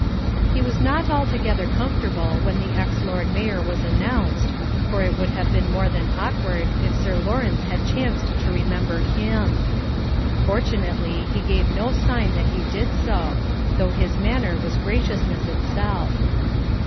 He was not altogether comfortable when the ex Lord Mayor was announced, for it would have been more than awkward if Sir Lawrence had chanced to remember him. Fortunately, he gave no sign that he did so, though his manner was graciousness itself.